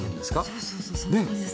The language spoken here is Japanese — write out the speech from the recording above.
そうそうそうそんな感じですね。